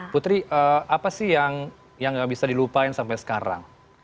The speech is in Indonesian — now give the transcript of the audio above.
putri apa sih yang gak bisa dilupain sampai sekarang